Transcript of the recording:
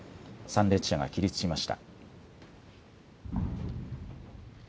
参列者が起立しました。